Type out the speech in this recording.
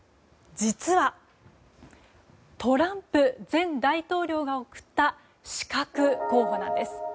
実は、トランプ前大統領が送った刺客候補なんです。